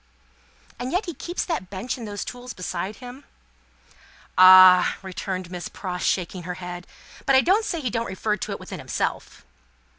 "And yet keeps that bench and those tools beside him?" "Ah!" returned Miss Pross, shaking her head. "But I don't say he don't refer to it within himself."